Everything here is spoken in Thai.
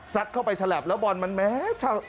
สัดเข้าไปฉลับแล้วบอลมันแม้